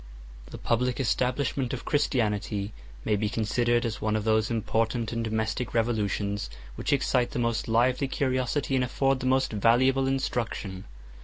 The public establishment of Christianity may be considered as one of those important and domestic revolutions which excite the most lively curiosity, and afford the most valuable instruction.